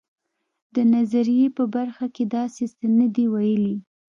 د نظریې په برخه کې داسې څه نه دي ویلي.